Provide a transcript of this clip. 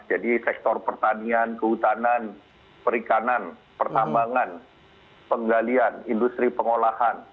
jadi sektor pertanian kehutanan perikanan pertambangan penggalian industri pengolahan